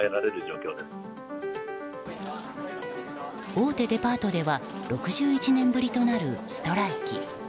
大手デパートでは６１年ぶりとなるストライキ。